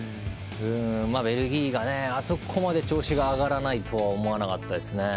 ベルギーがあそこまで調子が上がらないとは思わなかったですね。